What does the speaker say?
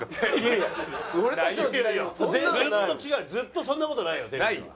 ずっとそんな事ないよテレビは。